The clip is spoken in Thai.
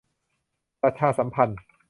ประชาสัมพันธ์